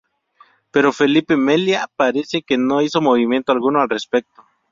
Pero Felipe Meliá parece que no hizo movimiento alguno al respecto.